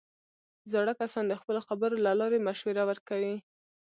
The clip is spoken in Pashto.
زاړه کسان د خپلو خبرو له لارې مشوره ورکوي